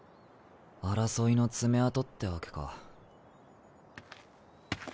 争いの爪痕ってわけか。